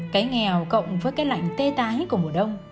cái nghèo cộng với cái lạnh tê tái của mùa đông